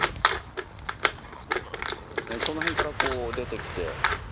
この辺からこう出てきて。